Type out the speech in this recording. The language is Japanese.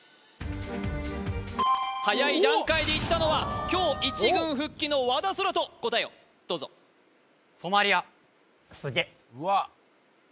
はやい段階でいったのは今日１軍復帰の和田空大答えをどうぞすげっ！